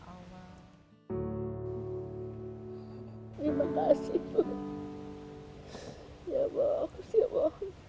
ya bu aku siap bu